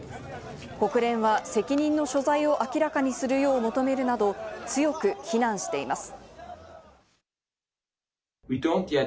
国連は責任の所在を明らかにするよう求めるなど、強く非難しています。